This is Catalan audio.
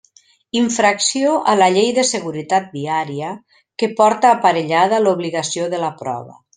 Infracció a la Llei de Seguretat Viària, que porta aparellada l'obligació de la prova.